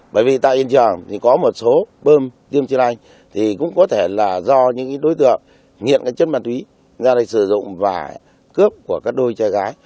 bởi vì tại yên trường thì có một số bơm tiêm tri lạnh thì cũng có thể là do những đối tượng nghiện cái chất bản thúy ra đây sử dụng và cướp của các đôi trai gái